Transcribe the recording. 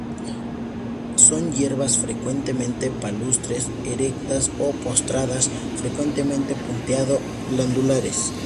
Son hierbas frecuentemente palustres, erectas o postradas, frecuentemente punteado-glandulares.